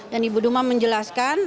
dan ibu duma menjelaskan